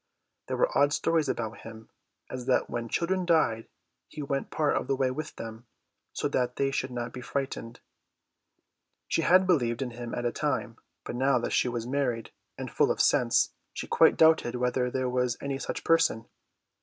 There were odd stories about him, as that when children died he went part of the way with them, so that they should not be frightened. She had believed in him at the time, but now that she was married and full of sense she quite doubted whether there was any such person.